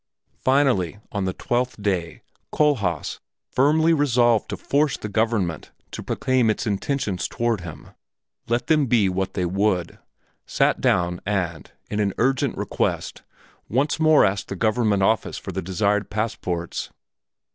Finally, on the twelfth day, Kohlhaas, firmly resolved to force the government to proclaim its intentions toward him, let them be what they would, sat down and, in an urgent request, once more asked the Government Office for the desired passports.